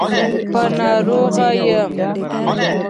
په ناروغه يم.